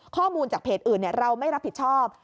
ข้อมูลจากเพจอื่นเราไม่รับผิดชอบ